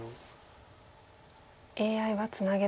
ＡＩはツナげと。